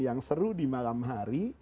yang seru di malam hari